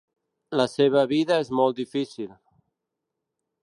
La seva vida és molt difícil.